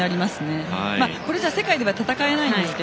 このタイムじゃ世界では戦えないんですが。